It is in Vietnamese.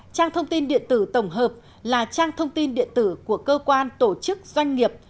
trang thông tin điện tử tổng hợp là trang thông tin điện tử của cơ quan tổ chức doanh nghiệp